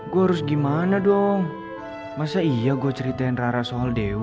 gue harus gimana dong masa iya gue ceritain rara soal dewa